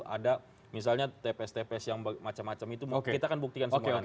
ada misalnya tps tps yang macam macam itu kita akan buktikan semua nanti